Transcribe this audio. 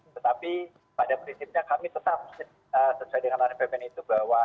tetapi pada prinsipnya kami tetap sesuai dengan arahan ppn itu bahwa